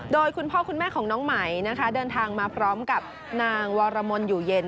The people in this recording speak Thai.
โดยคุณพ่อคุณแม่ของน้องไหมนะคะเดินทางมาพร้อมกับนางวรมนอยู่เย็น